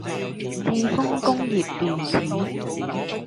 致豐工業電子